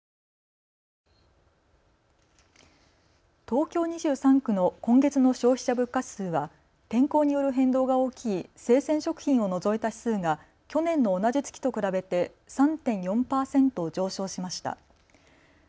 東京２３区の今月の消費者物価指数は天候による変動が大きい生鮮食品を除いた指数が去年の同じ月と比べて３．４％上昇しました。